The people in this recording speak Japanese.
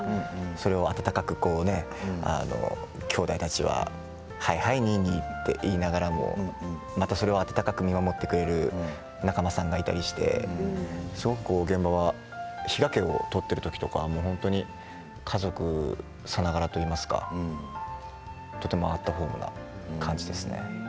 それを温かくきょうだいたちははいはいニーニーと言いながらそれを温かく見守ってくれる仲間さんがいたりしてくれてすごく現場は比嘉家を撮ってるときは本当に家族さながらといいますかとてもアットホームな感じですね。